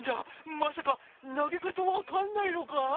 まさか投げ方わかんないのか？